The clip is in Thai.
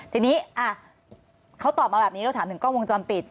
ทีนี้เขาตอบมาแบบนี้เราถามถึงกล้องวงจรปิด